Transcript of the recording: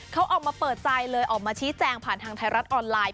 เขาออกมาเปิดใจเลยออกมาชี้แจงผ่านทางไทยรัฐออนไลน์